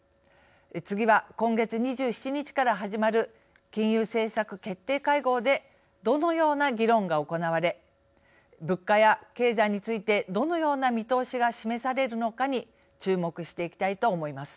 次は、今月２７日から始まる金融政策決定会合でどのような議論が行われ物価や経済についてどのような見通しが示されるのかに注目していきたいと思います。